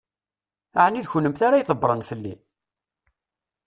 Ɛni d kennemti ara ydebbṛen fell-i?